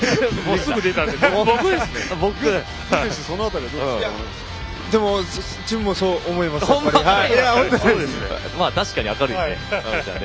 すぐ出ました、僕ですね。